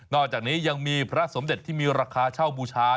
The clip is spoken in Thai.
อกจากนี้ยังมีพระสมเด็จที่มีราคาเช่าบูชา